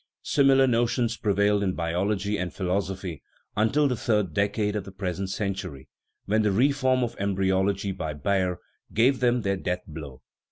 Similar notions prevailed in biology and philos ophy until the third decade of the present century, when the reform of embryology by Baer gave them their death blow.